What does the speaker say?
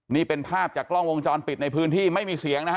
นี่เป็นภาพจากกล้องวงจรปิดในพื้นที่ไม่มีเสียงนะฮะ